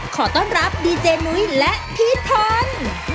ขอต้อนรับดีเจนุ้ยและพี่ทอน